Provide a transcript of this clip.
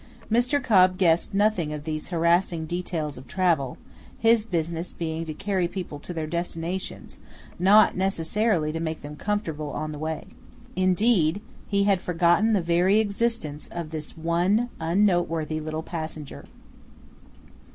Mr. Cobb guessed nothing of these harassing details of travel, his business being to carry people to their destinations, not, necessarily, to make them comfortable on the way. Indeed he had forgotten the very existence of this one unnoteworthy little passenger.